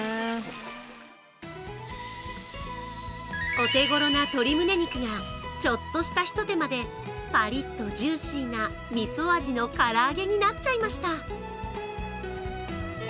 お手ごろな鶏むね肉がちょっとしたひと手間でぱりっとジューシーな、みそ味の唐揚げになっちゃいました。